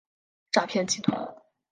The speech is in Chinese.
诈骗集团